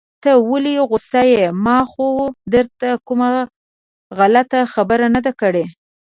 ته ولې غوسه يې؟ ما خو درته کومه غلطه خبره نده کړي.